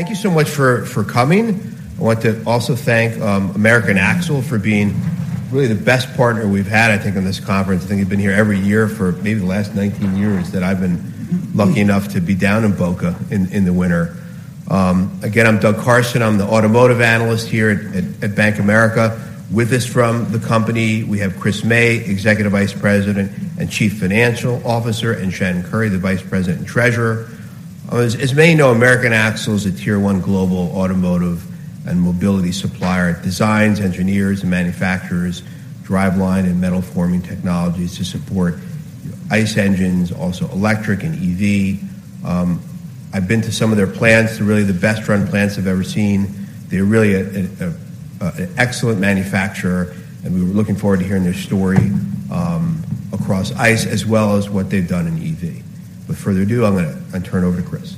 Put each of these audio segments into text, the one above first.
Thank you so much for coming. I want to also thank American Axle for being really the best partner we've had, I think, in this conference. I think you've been here every year for maybe the last 19 years that I've been lucky enough to be down in Boca Raton in the winter. Again, I'm Doug Karson. I'm the Automotive Analyst here at Bank of America. With us from the company, we have Chris May, Executive Vice President and Chief Financial Officer, and Shannon Curry, the Vice President and Treasurer. As many know, American Axle is a Tier 1 Global Automotive and Mobility Supplier. It designs, Engineers, and manufacturers driveline and metal forming technologies to support ICE engines, also electric and EV. I've been to some of their plants. They're really the best-run plants I've ever seen. They're really an excellent manufacturer, and we're looking forward to hearing their story across ICE as well as what they've done in EV. Without further ado, I'm gonna- I turn it over to Chris.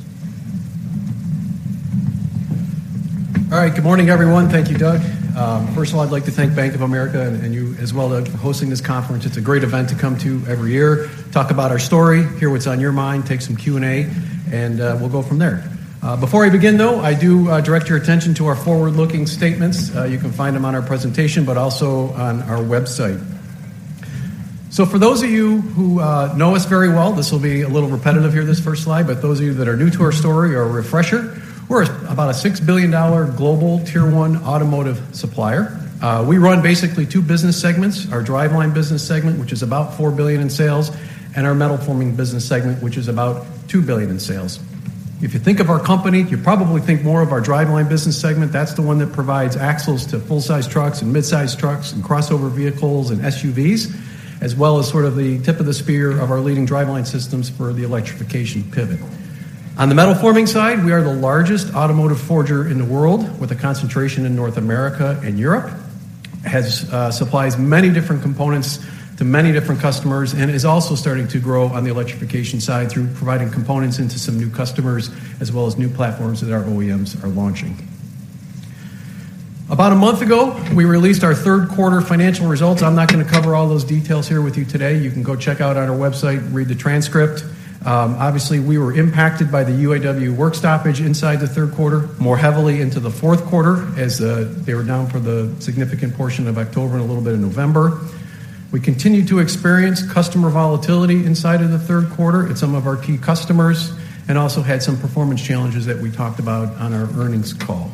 All right. Good morning, everyone. Thank you, Doug. First of all, I'd like to thank Bank of America and, and you as well, Doug, for hosting this conference. It's a great event to come to every year, talk about our story, hear what's on your mind, take some Q&A, and we'll go from there. Before I begin, though, I do direct your attention to our forward-looking statements. You can find them on our presentation, but also on our website. So for those of you who know us very well, this will be a little repetitive here, this first slide, but those of you that are new to our story or a refresher, we're about a $6 billion global Tier 1 automotive supplier. We run basically two business segments: our driveline business segment, which is about $4 billion in sales, and our metal forming business segment, which is about $2 billion in sales. If you think of our company, you probably think more of our driveline business segment. That's the one that provides axles to full-size trucks and mid-size trucks and crossover vehicles and SUVs, as well as sort of the tip of the spear of our leading driveline systems for the electrification pivot. On the metal forming side, we are the largest automotive forger in the world, with a concentration in North America and Europe. Supplies many different components to many different customers and is also starting to grow on the electrification side through providing components into some new customers, as well as new platforms that our OEMs are launching. About a month ago, we released our third quarter financial results. I'm not gonna cover all those details here with you today. You can go check out on our website and read the transcript. Obviously, we were impacted by the UAW work stoppage inside the third quarter, more heavily into the fourth quarter, as they were down for the significant portion of October and a little bit of November. We continued to experience customer volatility inside of the third quarter at some of our key customers, and also had some performance challenges that we talked about on our earnings call.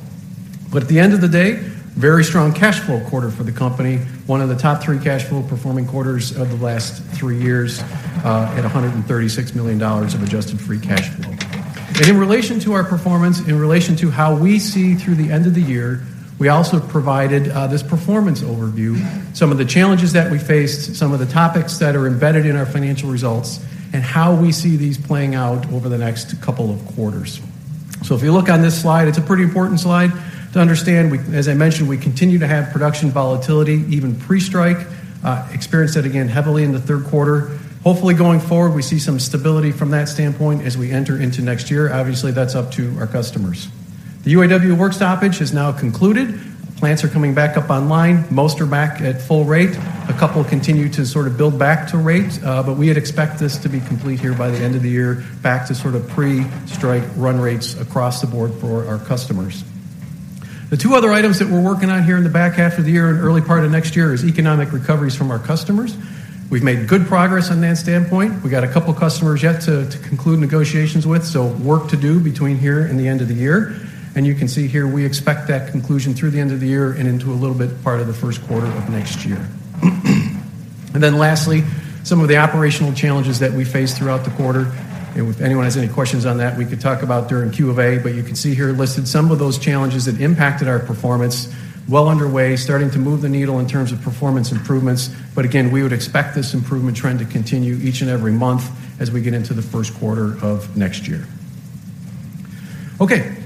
But at the end of the day, very strong cash flow quarter for the company, one of the top three cash flow-performing quarters of the last three years, at $136 million of Adjusted Free Cash Flow. In relation to our performance, in relation to how we see through the end of the year, we also provided this performance overview, some of the challenges that we faced, some of the topics that are embedded in our financial results, and how we see these playing out over the next couple of quarters. So if you look on this slide, it's a pretty important slide to understand. As I mentioned, we continue to have production volatility, even pre-strike. Experienced that again heavily in the third quarter. Hopefully, going forward, we see some stability from that standpoint as we enter into next year. Obviously, that's up to our customers. The UAW work stoppage has now concluded. Plants are coming back up online. Most are back at full rate. A couple continue to sort of build back to rate, but we had expected this to be complete here by the end of the year, back to sort of pre-strike run rates across the board for our customers. The two other items that we're working on here in the back half of the year and early part of next year is economic recoveries from our customers. We've made good progress on that standpoint. We've got a couple customers yet to conclude negotiations with, so work to do between here and the end of the year. And you can see here we expect that conclusion through the end of the year and into a little bit part of the first quarter of next year. And then lastly, some of the operational challenges that we faced throughout the quarter. If anyone has any questions on that, we could talk about during Q&A, but you can see here listed some of those challenges that impacted our performance. Well underway, starting to move the needle in terms of performance improvements. Again, we would expect this improvement trend to continue each and every month as we get into the first quarter of next year. Okay.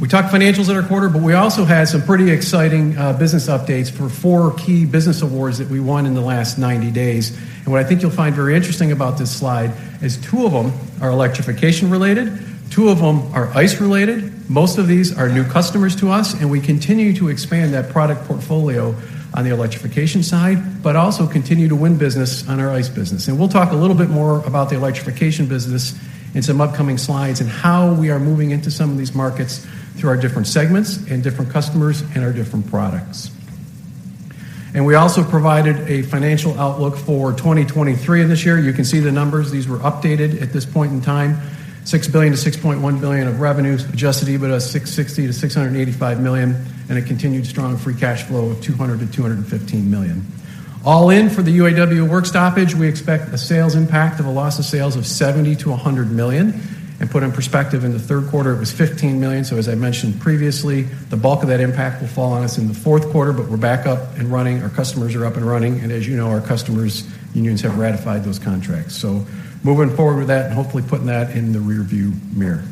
We talked financials in our quarter, but we also had some pretty exciting business updates for four key business awards that we won in the last 90 days. What I think you'll find very interesting about this slide is two of them are electrification related, two of them are ICE related. Most of these are new customers to us, and we continue to expand that product portfolio on the electrification side, but also continue to win business on our ICE business. We'll talk a little bit more about the electrification business in some upcoming slides and how we are moving into some of these markets through our different segments and different customers and our different products. We also provided a financial outlook for 2023 this year. You can see the numbers. These were updated at this point in time, $6 billion-$6.1 billion of revenues, Adjusted EBITDA $660 million-$685 million, and a continued strong free cash flow of $200 million-$215 million. All in for the UAW work stoppage, we expect a sales impact of a loss of sales of $70 million-$100 million. Put in perspective, in the third quarter, it was $15 million. So as I mentioned previously, the bulk of that impact will fall on us in the fourth quarter, but we're back up and running. Our customers are up and running, and as you know, our customers' unions have ratified those contracts. So moving forward with that and hopefully putting that in the rearview mirror.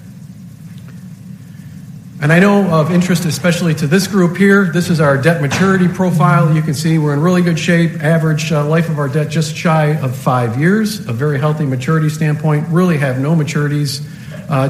And I know of interest, especially to this group here, this is our debt maturity profile. You can see we're in really good shape. Average life of our debt, just shy of five years. A very healthy maturity standpoint. Really have no maturities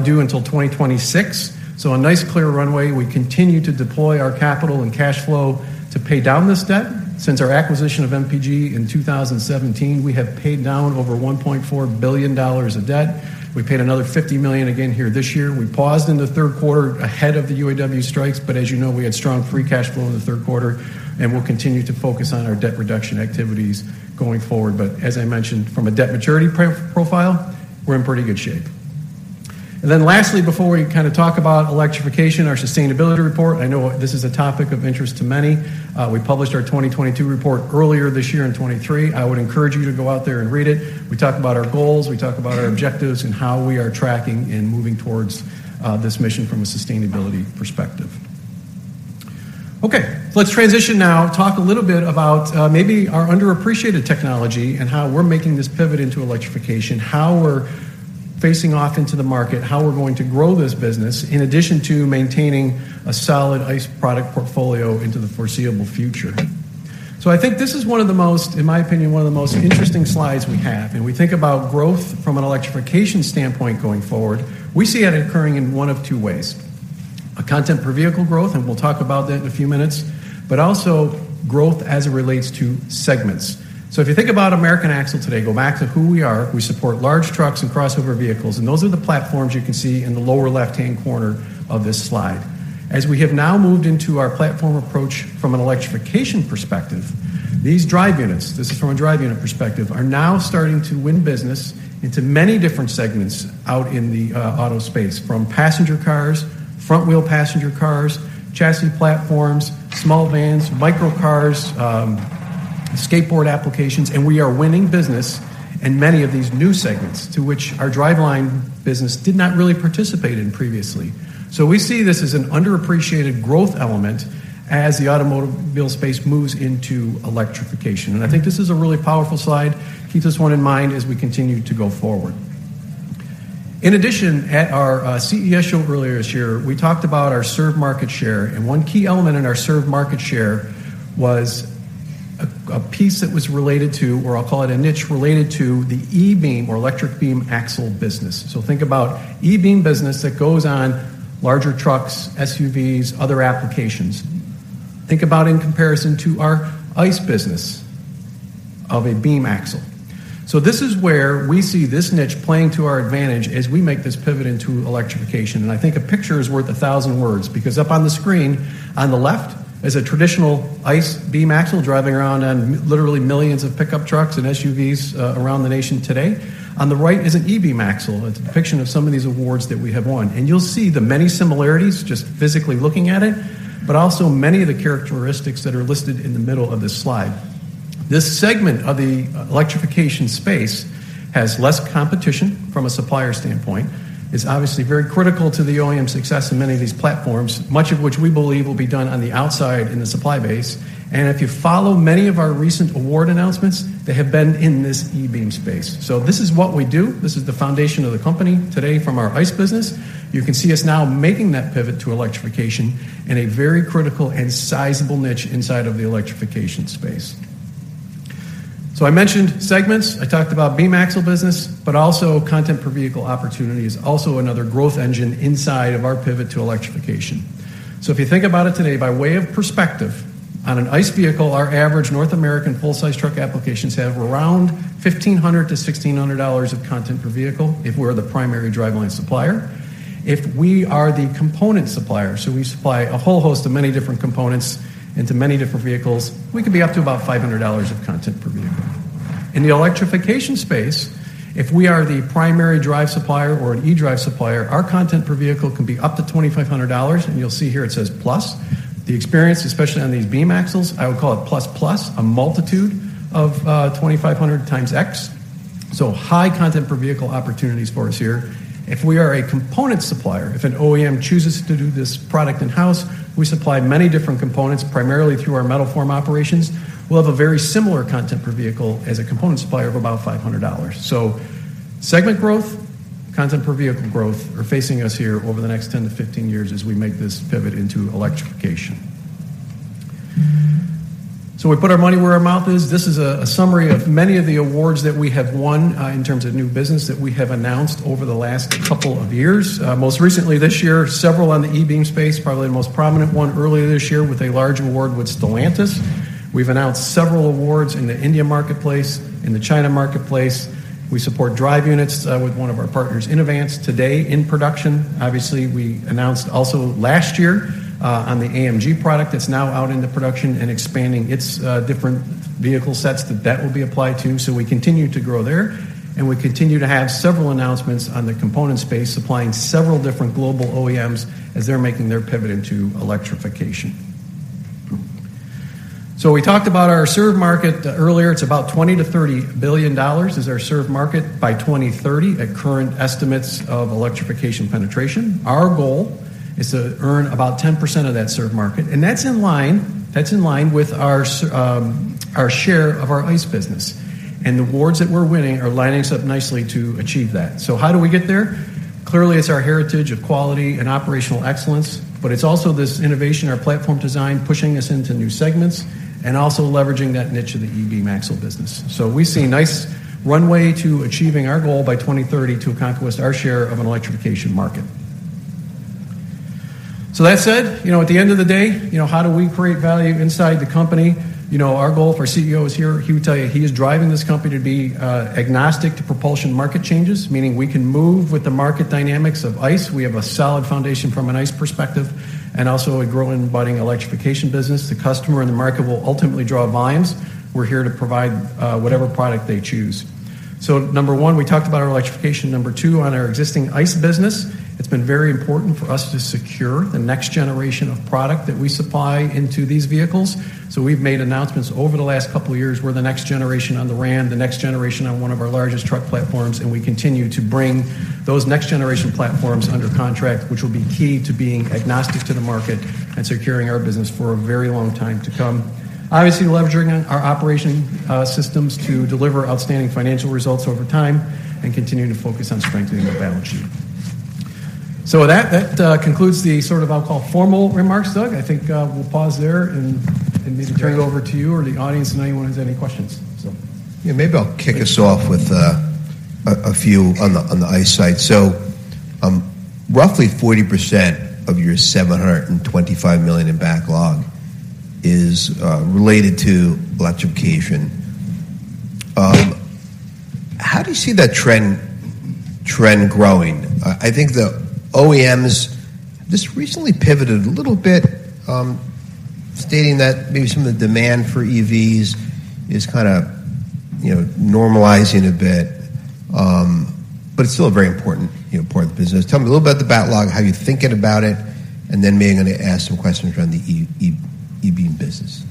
due until 2026, so a nice, clear runway. We continue to deploy our capital and cash flow to pay down this debt. Since our acquisition of MPG in 2017, we have paid down over $1.4 billion of debt. We paid another $50 million again here this year. We paused in the third quarter ahead of the UAW strikes, but as you know, we had strong free cash flow in the third quarter, and we'll continue to focus on our debt reduction activities going forward. But as I mentioned, from a debt maturity profile, we're in pretty good shape. And then lastly, before we kind of talk about electrification, our sustainability report, I know this is a topic of interest to many. We published our 2022 report earlier this year in 2023. I would encourage you to go out there and read it. We talk about our goals, we talk about our objectives, and how we are tracking and moving towards this mission from a sustainability perspective. Okay, let's transition now, talk a little bit about, maybe our underappreciated technology and how we're making this pivot into electrification, how we're facing off into the market, how we're going to grow this business, in addition to maintaining a solid ICE product portfolio into the foreseeable future. So I think this is one of the most, in my opinion, one of the most interesting slides we have, and we think about growth from an electrification standpoint going forward. We see that occurring in one of two ways: a content per vehicle growth, and we'll talk about that in a few minutes, but also growth as it relates to segments. So if you think about American Axle today, go back to who we are. We support large trucks and crossover vehicles, and those are the platforms you can see in the lower left-hand corner of this slide. As we have now moved into our platform approach from an electrification perspective, these drive units, this is from a drive unit perspective, are now starting to win business into many different segments out in the auto space, from passenger cars, front-wheel passenger cars, chassis platforms, small vans, microcars, skateboard applications, and we are winning business in many of these new segments to which our driveline business did not really participate in previously. So we see this as an underappreciated growth element as the automobile space moves into electrification, and I think this is a really powerful slide. Keep this one in mind as we continue to go forward. In addition, at our CES show earlier this year, we talked about our served market share, and one key element in our served market share was a piece that was related to, or I'll call it a niche, related to the e-Beam or electric beam axle business. So think about e-Beam business that goes on larger trucks, SUVs, other applications. Think about in comparison to our ICE business of a beam axle. So this is where we see this niche playing to our advantage as we make this pivot into electrification. And I think a picture is worth a thousand words, because up on the screen, on the left is a traditional ICE beam axle driving around on literally millions of pickup trucks and SUVs around the nation today. On the right is an e-Beam axle. It's a depiction of some of these awards that we have won, and you'll see the many similarities just physically looking at it, but also many of the characteristics that are listed in the middle of this slide. This segment of the electrification space has less competition from a supplier standpoint. It's obviously very critical to the OEM success in many of these platforms, much of which we believe will be done on the outside in the supply base. And if you follow many of our recent award announcements, they have been in this e-Beam space. So this is what we do. This is the foundation of the company today from our ICE business. You can see us now making that pivot to electrification in a very critical and sizable niche inside of the electrification space. So I mentioned segments. I talked about beam axle business, but also content per vehicle opportunity is also another growth engine inside of our pivot to electrification. So if you think about it today, by way of perspective, on an ICE vehicle, our average North American full-size truck applications have around $1,500-$1,600 of content per vehicle if we're the primary driveline supplier. If we are the component supplier, so we supply a whole host of many different components into many different vehicles, we could be up to about $500 of content per vehicle. In the electrification space, if we are the primary drive supplier or an e-drive supplier, our content per vehicle can be up to $2,500, and you'll see here it says, "Plus." The experience, especially on these beam axles, I would call it plus, plus, a multitude of, 2,500 times X. So high content per vehicle opportunities for us here. If we are a component supplier, if an OEM chooses to do this product in-house, we supply many different components, primarily through our metal forming operations. We'll have a very similar content per vehicle as a component supplier of about $500. So segment growth, content per vehicle growth, are facing us here over the next 10-15 years as we make this pivot into electrification. So we put our money where our mouth is. This is a summary of many of the awards that we have won in terms of new business that we have announced over the last couple of years. Most recently, this year, several on the e-beam space, probably the most prominent one earlier this year, with a large award with Stellantis. We've announced several awards in the India marketplace, in the China marketplace. We support drive units with one of our partners, Inovance, today in production. Obviously, we announced also last year on the AMG product that's now out into production and expanding its different vehicle sets that that will be applied to. So we continue to grow there, and we continue to have several announcements on the component space, supplying several different global OEMs as they're making their pivot into electrification. So we talked about our served market earlier. It's about $20 billion-$30 billion is our served market by 2030 at current estimates of electrification penetration. Our goal is to earn about 10% of that served market, and that's in line. That's in line with our share of our ICE business, and the awards that we're winning are lining us up nicely to achieve that. So how do we get there? Clearly, it's our heritage of quality and operational excellence, but it's also this innovation, our platform design, pushing us into new segments, and also leveraging that niche in the e-Beam Axle business. So we see a nice runway to achieving our goal by 2030 to conquest our share of an electrification market. So that said, you know, at the end of the day, you know, how do we create value inside the company? You know, our goal for CEO is here, he would tell you, he is driving this company to be, agnostic to propulsion market changes, meaning we can move with the market dynamics of ICE. We have a solid foundation from an ICE perspective and also a growing and budding electrification business. The customer and the market will ultimately draw volumes. We're here to provide, whatever product they choose. So number one, we talked about our electrification. Number two, on our existing ICE business, it's been very important for us to secure the next generation of product that we supply into these vehicles. So we've made announcements over the last couple of years. We're the next generation on the Ram, the next generation on one of our largest truck platforms, and we continue to bring those next-generation platforms under contract, which will be key to being agnostic to the market and securing our business for a very long time to come. Obviously, leveraging on our operation, systems to deliver outstanding financial results over time and continuing to focus on strengthening the balance sheet. So with that, concludes the sort of, I'll call formal remarks. Doug, I think, we'll pause there and maybe turn it over to you or the audience, and anyone who has any questions, so. Yeah, maybe I'll kick us off with a few on the ICE side. So, roughly 40% of your $725 million in backlog is related to electrification. How do you see that trend growing? I think the OEMs just recently pivoted a little bit, stating that maybe some of the demand for EVs is kind a, you know, normalizing a bit. But it's still a very important, you know, part of the business. Tell me a little about the backlog, how you're thinking about it, and then maybe I'm gonna ask some questions around the e-Beam business.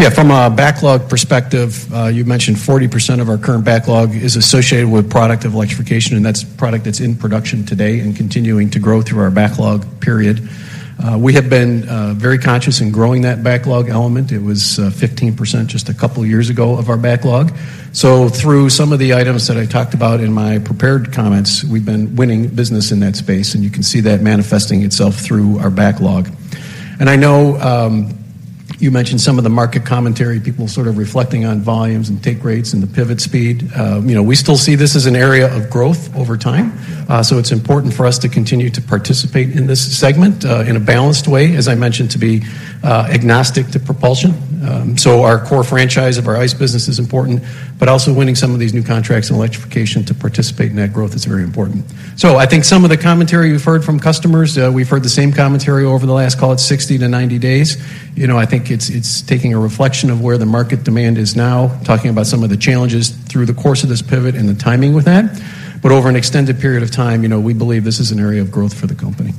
Sure. Yeah, from a backlog perspective, you mentioned 40% of our current backlog is associated with product of electrification, and that's product that's in production today and continuing to grow through our backlog period. We have been very conscious in growing that backlog element. It was 15% just a couple of years ago of our backlog. So through some of the items that I talked about in my prepared comments, we've been winning business in that space, and you can see that manifesting itself through our backlog. And I know, you mentioned some of the market commentary, people sort of reflecting on volumes and take rates and the pivot speed. You know, we still see this as an area of growth over time, so it's important for us to continue to participate in this segment, in a balanced way, as I mentioned, to be agnostic to propulsion. So our core franchise of our ICE business is important, but also winning some of these new contracts and electrification to participate in that growth is very important. So I think some of the commentary you've heard from customers, we've heard the same commentary over the last, call it 60-90 days. You know, I think it's taking a reflection of where the market demand is now, talking about some of the challenges through the course of this pivot and the timing with that. But over an extended period of time, you know, we believe this is an area of growth for the company.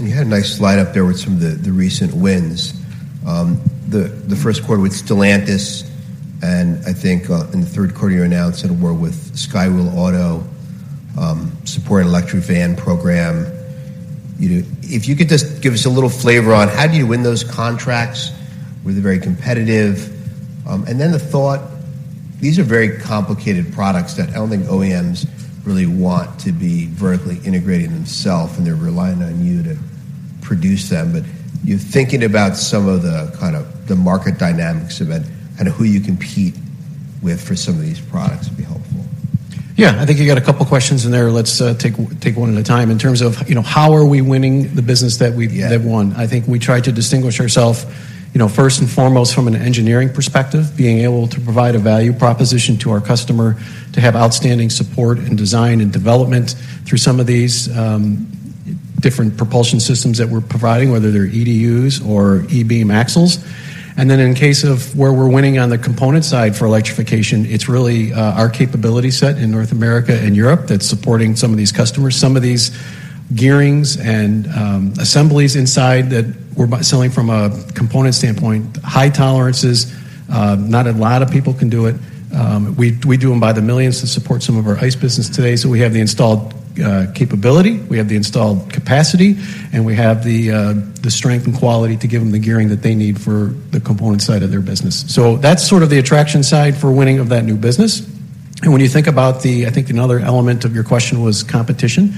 You had a nice slide up there with some of the, the recent wins. The, the first quarter with Stellantis, and I think, in the third quarter, you announced that it were with Skywell Auto, support electric van program. You know, if you could just give us a little flavor on how do you win those contracts? Were they very competitive? And then the thought, these are very complicated products that I don't think OEMs really want to be vertically integrating themselves, and they're relying on you to produce them. But you're thinking about some of the kind of the market dynamics of it, and who you compete with for some of these products would be helpful. Yeah, I think you got a couple of questions in there. Let's take one at a time. In terms of, you know, how are we winning the business that we've- Yeah have won? I think we try to distinguish ourselves, you know, first and foremost, from an engineering perspective, being able to provide a value proposition to our customer, to have outstanding support in design and development through some of these different propulsion systems that we're providing, whether they're EDUs or E-Beam axles. And then in case of where we're winning on the component side for electrification, it's really our capability set in North America and Europe that's supporting some of these customers. Some of these gearings and assemblies inside that we're selling from a component standpoint, high tolerances, not a lot of people can do it. We, we do them by the millions to support some of our ICE business today. So we have the installed capability, we have the installed capacity, and we have the strength and quality to give them the gearing that they need for the component side of their business. So that's sort of the attraction side for winning of that new business. And when you think about the... I think another element of your question was competition.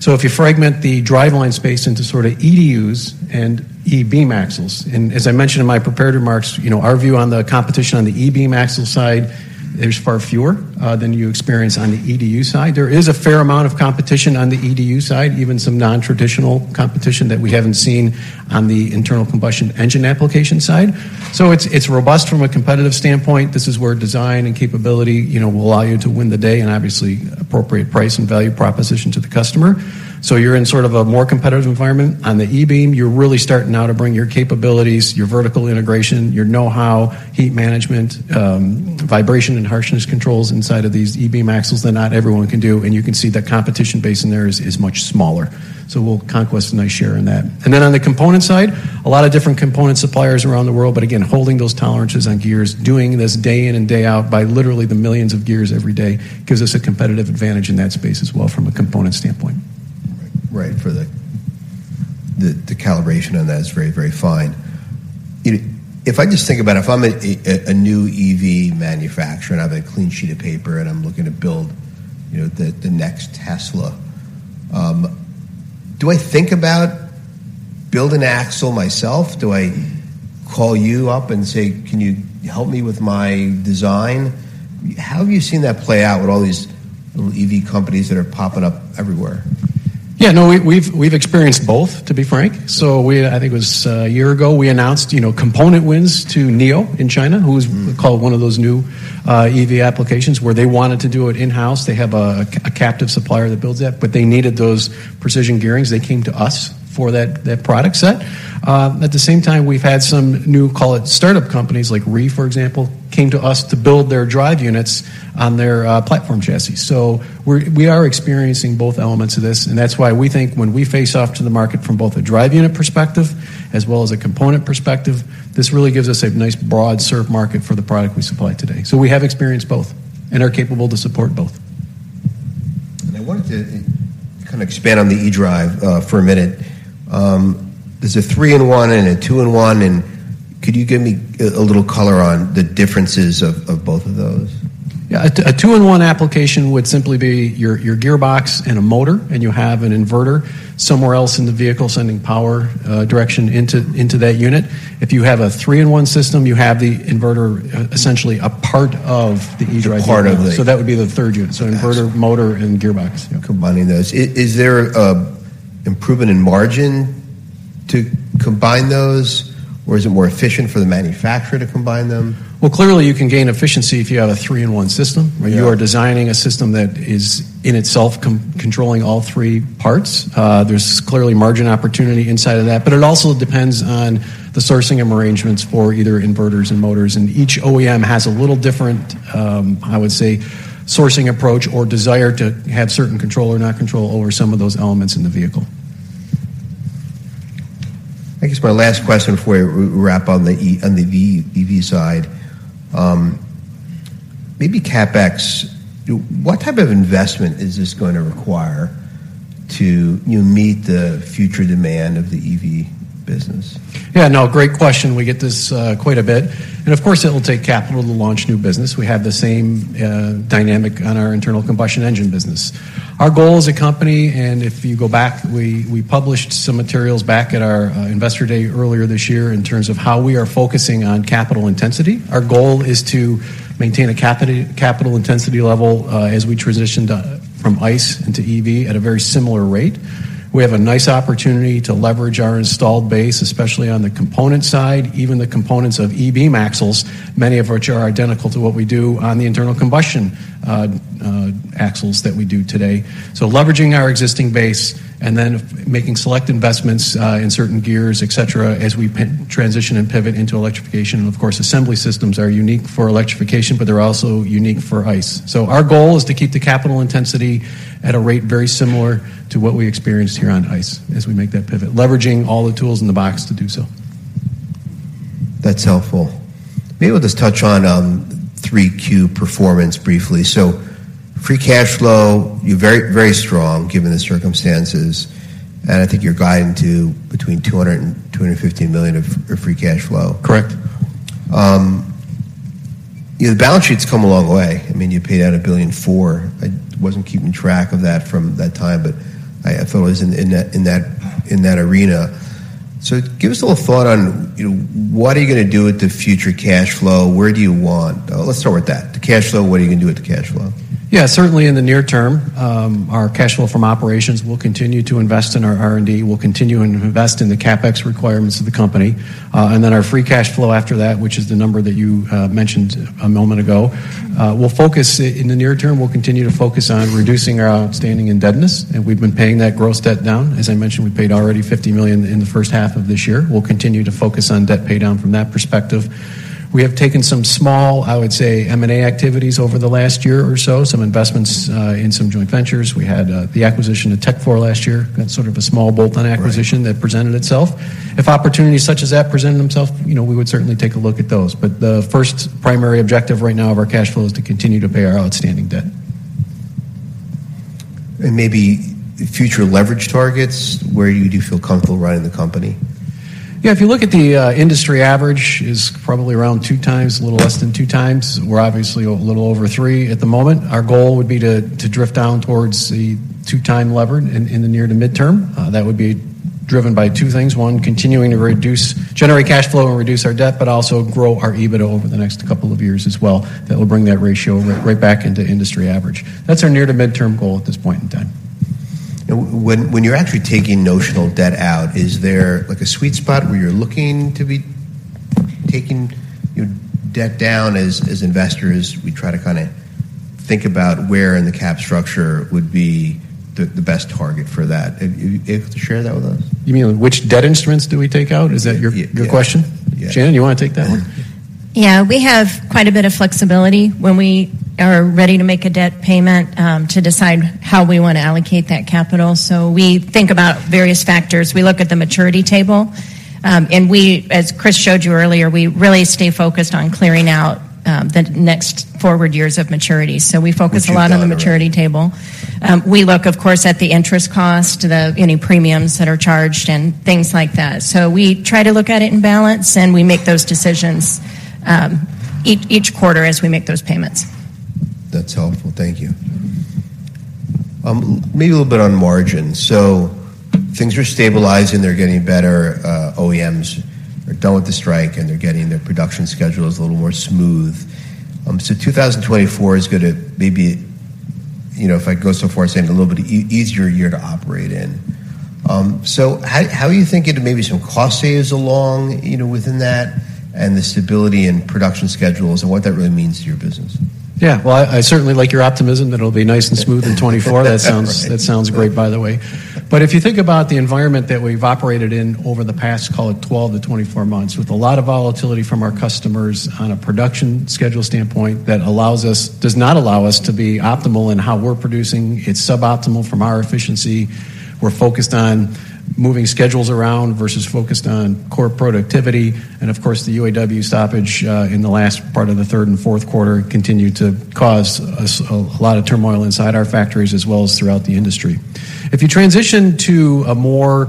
So if you fragment the driveline space into sort of EDUs and E-beam axles, and as I mentioned in my prepared remarks, you know, our view on the competition on the E-beam axle side, there's far fewer than you experience on the EDU side. There is a fair amount of competition on the EDU side, even some nontraditional competition that we haven't seen on the internal combustion engine application side. So it's robust from a competitive standpoint. This is where design and capability, you know, will allow you to win the day and obviously, appropriate price and value proposition to the customer. So you're in sort of a more competitive environment. On the E-beam, you're really starting now to bring your capabilities, your vertical integration, your know-how, heat management, vibration and harshness controls inside of these E-beam axles that not everyone can do, and you can see the competition base in there is much smaller. So we'll conquest a nice share in that. And then on the component side, a lot of different component suppliers around the world, but again, holding those tolerances on gears, doing this day in and day out by literally the millions of gears every day, gives us a competitive advantage in that space as well from a component standpoint. Right. For the calibration on that is very, very fine. You know, if I just think about it, if I'm a new EV manufacturer and I have a clean sheet of paper, and I'm looking to build, you know, the next Tesla, do I build an axle myself? Do I call you up and say, "Can you help me with my design?" How have you seen that play out with all these little EV companies that are popping up everywhere? Yeah, no, we've experienced both, to be frank. So, I think it was a year ago, we announced, you know, component wins to NIO in China, who is- Mm-hmm Called one of those new, EV applications, where they wanted to do it in-house. They have a, a captive supplier that builds that, but they needed those precision gearings. They came to us for that, that product set. At the same time, we've had some new, call it, startup companies like REE, for example, came to us to build their drive units on their, platform chassis. So we're experiencing both elements of this, and that's why we think when we face off to the market from both a drive unit perspective as well as a component perspective, this really gives us a nice, broad served market for the product we supply today. So we have experienced both and are capable to support both. I wanted to kind of expand on the eDrive for a minute. There's a three-in-one and a two-in-one, and could you give me a little color on the differences of both of those? Yeah. A two-in-one application would simply be your gearbox and a motor, and you have an inverter somewhere else in the vehicle, sending power direction into that unit. If you have a three-in-one system, you have the inverter, essentially, a part of the eDrive unit. A part of the That would be the third unit. Yes. Inverter, motor, and gearbox. Yeah, combining those. Is there an improvement in margin to combine those, or is it more efficient for the manufacturer to combine them? Well, clearly, you can gain efficiency if you have a three-in-one system. Yeah. Where you are designing a system that is, in itself, controlling all three parts. There's clearly margin opportunity inside of that, but it also depends on the sourcing and arrangements for either inverters and motors, and each OEM has a little different, I would say, sourcing approach or desire to have certain control or not control over some of those elements in the vehicle. I guess my last question before we wrap on the EV side, maybe CapEx. What type of investment is this going to require to, you know, meet the future demand of the EV business? Yeah, no, great question. We get this quite a bit, and of course, it will take capital to launch new business. We have the same dynamic on our internal combustion engine business. Our goal as a company, and if you go back, we published some materials back at our investor day earlier this year in terms of how we are focusing on capital intensity. Our goal is to maintain a capital intensity level as we transition from ICE into EV at a very similar rate. We have a nice opportunity to leverage our installed base, especially on the component side, even the components of e-Beam axles, many of which are identical to what we do on the internal combustion axles that we do today. So leveraging our existing base and then making select investments in certain gears, et cetera, as we transition and pivot into electrification. And of course, assembly systems are unique for electrification, but they're also unique for ICE. So our goal is to keep the capital intensity at a rate very similar to what we experienced here on ICE as we make that pivot, leveraging all the tools in the box to do so. That's helpful. Maybe let's touch on 3Q performance briefly. So free cash flow, you're very, very strong, given the circumstances, and I think you're guiding to between $200 million and $250 million of free cash flow. Correct. The balance sheet's come a long way. I mean, you paid out $1.4 billion. I wasn't keeping track of that from that time, but I thought it was in that arena. So give us a little thought on, you know, what are you gonna do with the future cash flow? Where do you want, Let's start with that. The cash flow, what are you gonna do with the cash flow? Yeah, certainly in the near term, our cash flow from operations, we'll continue to invest in our R&D. We'll continue and invest in the CapEx requirements of the company. And then our free cash flow after that, which is the number that you mentioned a moment ago, we'll focus—in the near term, we'll continue to focus on reducing our outstanding indebtedness, and we've been paying that gross debt down. As I mentioned, we paid already $50 million in the first half of this year. We'll continue to focus on debt paydown from that perspective. We have taken some small, I would say, M&A activities over the last year or so, some investments in some joint ventures. We had the acquisition of Tekfor last year. That's sort of a small bolt-on acquisition- Right that presented itself. If opportunities such as that present themselves, you know, we would certainly take a look at those. But the first primary objective right now of our cash flow is to continue to pay our outstanding debt. Maybe future leverage targets, where do you feel comfortable running the company? Yeah, if you look at the industry average, is probably around 2x, a little less than 2x. We're obviously a little over 3x at the moment. Our goal would be to drift down towards the 2x lever in the near to midterm. That would be driven by two things: one, continuing to reduce, generate cash flow and reduce our debt, but also grow our EBITDA over the next couple of years as well. That will bring that ratio right back into industry average. That's our near to midterm goal at this point in time. When you're actually taking notional debt out, is there, like, a sweet spot where you're looking to be taking your debt down? As investors, we try to kind of think about where in the cap structure would be the best target for that. If you share that with us. You mean which debt instruments do we take out? Is that your- Yeah -your question? Yeah. Shannon, you want to take that one? Yeah. We have quite a bit of flexibility when we are ready to make a debt payment to decide how we want to allocate that capital. We think about various factors. We look at the maturity table, and we, as Chris showed you earlier, we really stay focused on clearing out the next forward years of maturity. We do that, right. So we focus a lot on the maturity table. We look, of course, at the interest cost, any premiums that are charged, and things like that. So we try to look at it in balance, and we make those decisions, each quarter as we make those payments. That's helpful. Thank you. Maybe a little bit on margin. So things are stabilizing, they're getting better. OEMs are done with the strike, and they're getting their production schedules a little more smooth. So 2024 is gonna maybe, you know, if I go so far as saying a little bit easier year to operate in. So how, how are you thinking maybe some cost saves along, you know, within that, and the stability and production schedules, and what that really means to your business? Yeah. Well, I, I certainly like your optimism that it'll be nice and smooth in 2024. That sounds, that sounds great, by the way. But if you think about the environment that we've operated in over the past, call it 12-24 months, with a lot of volatility from our customers on a production schedule standpoint, that allows us, does not allow us to be optimal in how we're producing. It's suboptimal from our efficiency. We're focused on moving schedules around versus focused on core productivity. And of course, the UAW stoppage in the last part of the third and fourth quarter continued to cause us a, a lot of turmoil inside our factories, as well as throughout the industry. If you transition to a more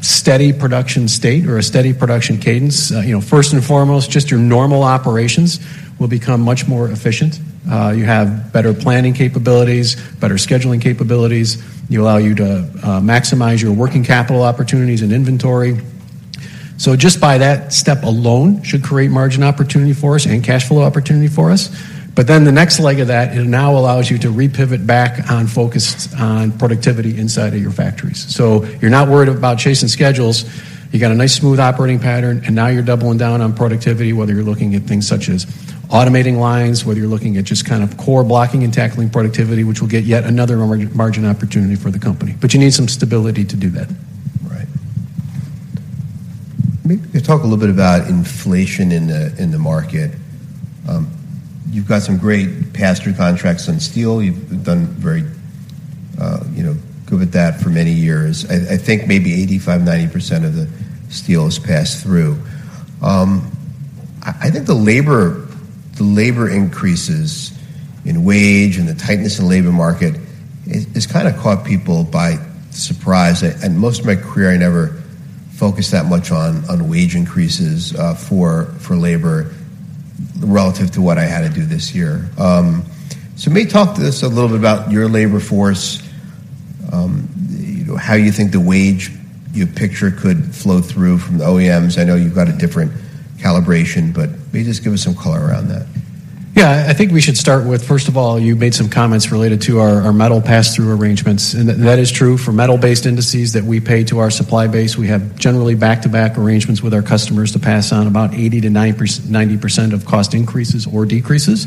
steady production state or a steady production cadence, you know, first and foremost, just your normal operations will become much more efficient. You have better planning capabilities, better scheduling capabilities. You allow you to maximize your working capital opportunities and inventory. So just by that step alone, should create margin opportunity for us and cash flow opportunity for us. But then the next leg of that, it now allows you to re-pivot back on focus on productivity inside of your factories. So you're not worried about chasing schedules. You got a nice, smooth operating pattern, and now you're doubling down on productivity, whether you're looking at things such as automating lines, whether you're looking at just kind of core blocking and tackling productivity, which will get yet another margin opportunity for the company. But you need some stability to do that. Right. Maybe talk a little bit about inflation in the market. You've got some great pass-through contracts on steel. You've done very, you know, good with that for many years. I think maybe 85%-90% of the steel is passed through. I think the labor increases in wage and the tightness in the labor market has kinda caught people by surprise. And most of my career, I never focused that much on wage increases for labor relative to what I had to do this year. So maybe talk to us a little bit about your labor force, you know, how you think the wage picture could flow through from the OEMs. I know you've got a different calibration, but maybe just give us some color around that. Yeah. I think we should start with, first of all, you made some comments related to our metal pass-through arrangements, and that is true. For metal-based indices that we pay to our supply base, we have generally back-to-back arrangements with our customers to pass on about 80%-90% of cost increases or decreases.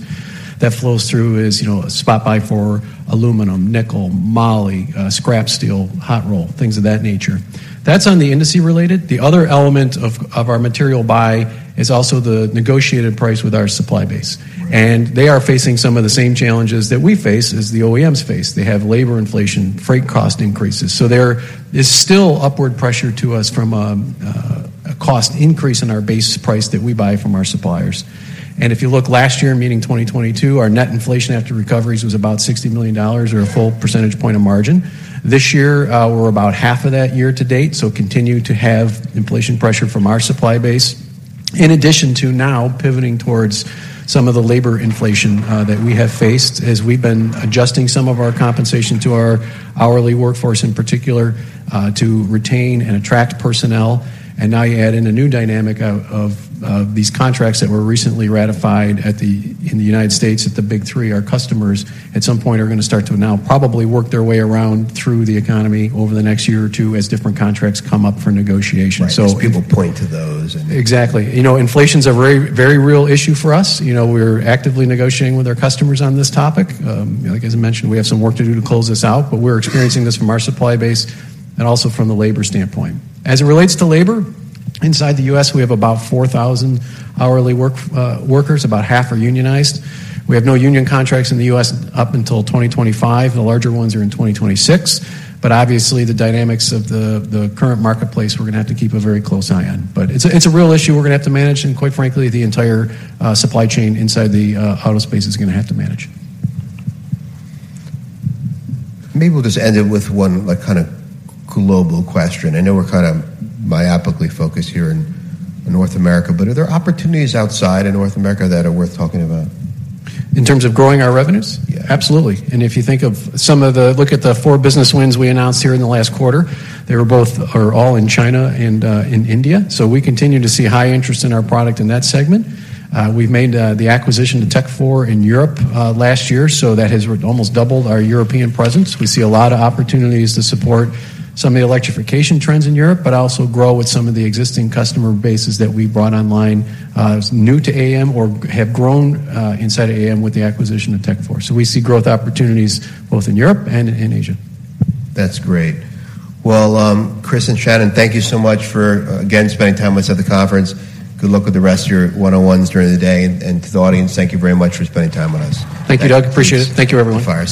That flows through, you know, a spot buy for aluminum, nickel, moly, scrap steel, hot roll, things of that nature. That's on the industry-related. The other element of our material buy is also the negotiated price with our supply base. Right. They are facing some of the same challenges that we face as the OEMs face. They have labor inflation, freight cost increases. There is still upward pressure to us from a, a cost increase in our base price that we buy from our suppliers. If you look last year, meaning 2022, our net inflation after recoveries was about $60 million or a full percentage point of margin. This year, we're about half of that year to date, so continue to have inflation pressure from our supply base. In addition to now pivoting towards some of the labor inflation, that we have faced, as we've been adjusting some of our compensation to our hourly workforce, in particular, to retain and attract personnel. Now you add in a new dynamic of these contracts that were recently ratified in the United States, at the Big Three. Our customers, at some point, are gonna start to now probably work their way around through the economy over the next year or two, as different contracts come up for negotiation. So- Right, as people point to those and- Exactly. You know, inflation's a very, very real issue for us. You know, we're actively negotiating with our customers on this topic. Like, as I mentioned, we have some work to do to close this out, but we're experiencing this from our supply base and also from the labor standpoint. As it relates to labor, inside the U.S., we have about 4,000 hourly workers, about half are unionized. We have no union contracts in the U.S. up until 2025. The larger ones are in 2026. But obviously, the dynamics of the current marketplace, we're gonna have to keep a very close eye on. But it's a real issue we're gonna have to manage, and quite frankly, the entire supply chain inside the auto space is gonna have to manage. Maybe we'll just end it with one, like, kind of global question. I know we're kind of myopically focused here in North America, but are there opportunities outside of North America that are worth talking about? In terms of growing our revenues? Yeah. Absolutely. And if you think of some of the... Look at the four business wins we announced here in the last quarter, they were both, or all in China and in India. So we continue to see high interest in our product in that segment. We've made the acquisition of Tekfor in Europe last year, so that has almost doubled our European presence. We see a lot of opportunities to support some of the electrification trends in Europe, but also grow with some of the existing customer bases that we brought online, new to AAM or have grown inside AAM with the acquisition of Tekfor. So we see growth opportunities both in Europe and in Asia. That's great. Well, Chris and Shannon, thank you so much for, again, spending time with us at the conference. Good luck with the rest of your one-on-ones during the day. To the audience, thank you very much for spending time with us. Thank you, Doug. Appreciate it. Thank you, everyone. Fire. See you.